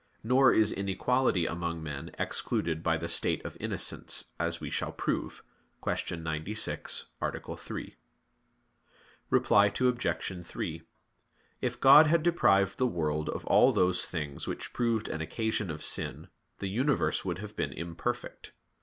Nor is inequality among men excluded by the state of innocence, as we shall prove (Q. 96, A. 3). Reply Obj. 3: If God had deprived the world of all those things which proved an occasion of sin, the universe would have been imperfect.